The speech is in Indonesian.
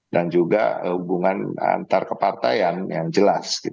dan juga hubungan antar kepartaian yang jelas